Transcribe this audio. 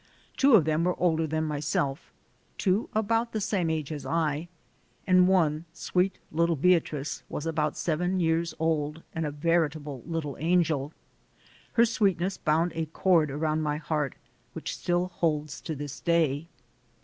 Two of them were older than myself, two about the same age as I, and one, sweet little Beatrice, was about seven years old and a veritable little angel. Her sweetness bound a cord around my heart which still holds to this day.